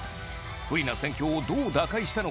不利な戦況をどう打開したのか？